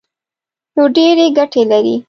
نو ډېرې ګټې لري.